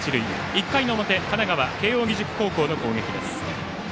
１回の表神奈川・慶応義塾高校の攻撃です。